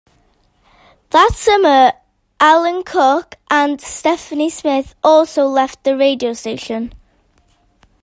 That summer Alan Cook and Stephanie Smith also left the radio station.